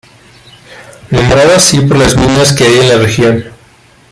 Nombrado así por las minas que hay en la región.